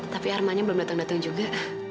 tapi armanya belum datang datang juga